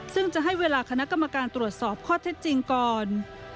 ซึ่งจะให้เวลาคณะกรรมการตรวจสอบข้อเท็จจริงก่อน